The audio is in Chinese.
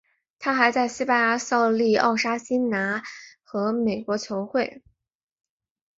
他还在西班牙效力奥沙辛拿和美国球会。